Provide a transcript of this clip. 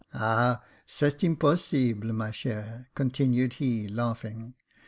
"Ah, c'est impossible, ma chere," continued he, laughing.